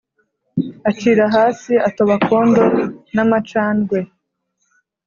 acira hasi atoba akondo n amacandwe